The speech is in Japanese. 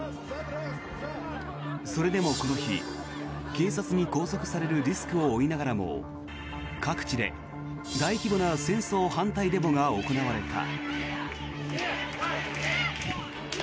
それでもこの日警察に拘束されるリスクを負いながらも各地で大規模な戦争反対デモが行われた。